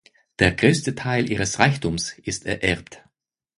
Der größte Teil ihres Reichtums ist ererbt.